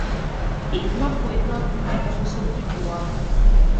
Една по една куќите му се отуѓуваат.